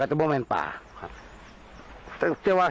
ว่าทั้งด้านข้างเลยไม่ไว้